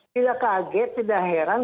tidak kaget tidak heran